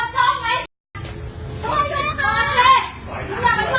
ช่วยด้วยค่ะส่วนสุด